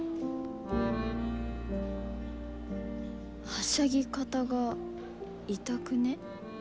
「はしゃぎ方がイタくね？」。